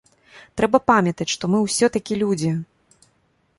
Трэба памятаць, што мы ўсё-такі людзі.